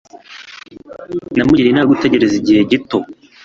Namugiriye inama yo gutegereza igihe gito.